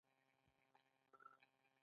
د هغه اصول د عدالت او انصاف په اړه دي.